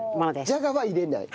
じゃがは入れない。